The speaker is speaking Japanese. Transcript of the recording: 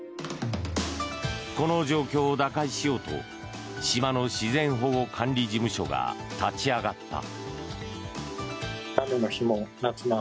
この状況を打開しようと島の自然保護管理事務所が立ち上がった。